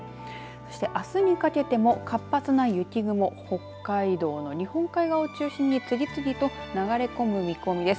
そして、あすにかけても活発な雪雲北海道の日本海側を中心に次々と流れ込む見込みです。